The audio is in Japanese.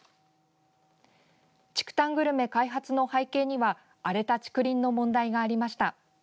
竹炭グルメ開発の背景には荒れた竹林の問題がありました。